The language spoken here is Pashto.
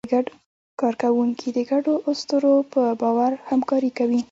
کارکوونکي د ګډو اسطورو په باور همکاري کوي.